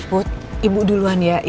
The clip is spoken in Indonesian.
kita berdua nungguin